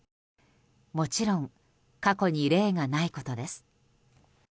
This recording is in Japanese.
もちろん過去に例がないことです。